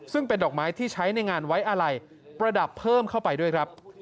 ซึ่งเป็นดอกไม้ที่ใช้ในงานไว้อะไรประดับเพิ่มเข้าไปด้วยครับ